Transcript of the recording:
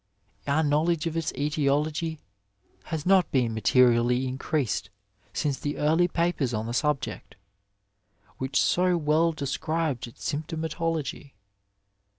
Our know ledge of its etiology has not been materially increased since the early papers on the subject, which so well described its symptomatology.